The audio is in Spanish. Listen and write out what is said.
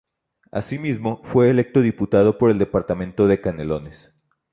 Asimismo, fue electo diputado por el departamento de Canelones.